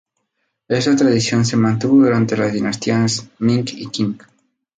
Esta tradición se mantuvo durante las dinastías Ming y Qing.